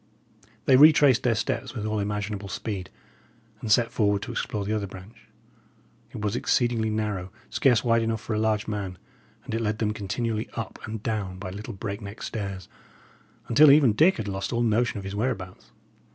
They retraced their steps with all imaginable speed, and set forward to explore the other branch. It was exceedingly narrow, scarce wide enough for a large man; and it led them continually up and down by little break neck stairs, until even Dick had lost all notion of his whereabouts.